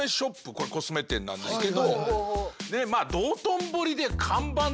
これコスメ店なんですけど。